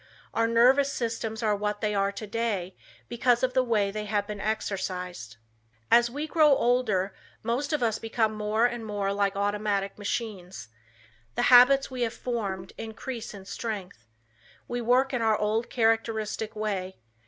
Our nervous systems are what they are today, because of the way they have been exercised. As we grow older most of us become more and more like automatic machines. The habits we have formed increase in strength. We work in our old characteristic way.